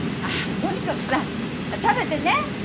あとにかくさ食べてね。